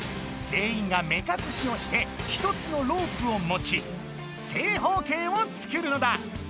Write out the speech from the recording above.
全員が目かくしをして１つのロープをもち正方形をつくるのだ。